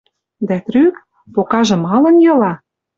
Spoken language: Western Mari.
Дӓ трӱк... Покажы малын йыла?